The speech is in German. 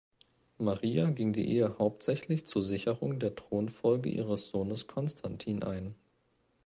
Maria ging die Ehe hauptsächlich zur Sicherung der Thronfolge ihres Sohnes Konstantin ein.